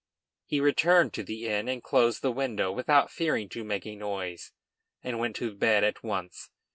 He returned to the inn and closed the window without fearing to make a noise, and went to bed at once.